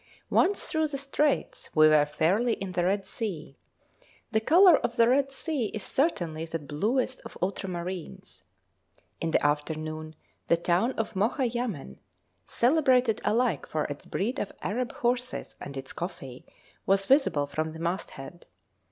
Once through the straits, we were fairly in the Red Sea. The colour of the Red Sea is certainly the bluest of ultramarines. In the afternoon the town of Mocha Yamen, celebrated alike for its breed of Arab horses and its coffee, was visible from the masthead.